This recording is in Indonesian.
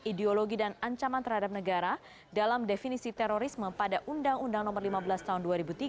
ideologi dan ancaman terhadap negara dalam definisi terorisme pada undang undang nomor lima belas tahun dua ribu tiga